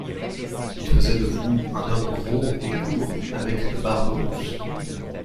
Il faisait de vous un homme gros et court, avec une barbe rousse...